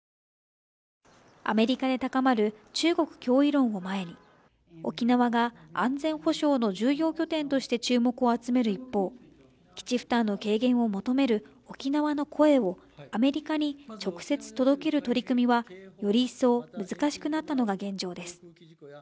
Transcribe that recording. アメリカで高まる中国脅威論を前に沖縄が安全保障の重要拠点として注目を集める一方、基地負担の軽減を求める沖縄の声を、アメリカに直接届ける取り組みはより一層難しくなったのが現状です。